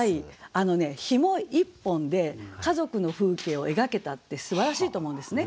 あのね紐一本で家族の風景を描けたってすばらしいと思うんですね。